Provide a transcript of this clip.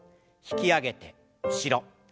引き上げて後ろ。